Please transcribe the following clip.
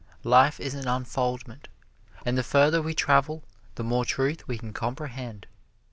Life is an unfoldment, and the further we travel the more truth we can comprehend.